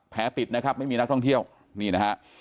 ปิดนะครับไม่มีนักท่องเที่ยวนี่นะฮะ